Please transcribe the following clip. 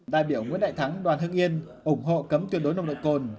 đại biểu nguyễn đại thắng đoàn hưng yên ủng hộ cấm tuyệt đối nồng độ cồn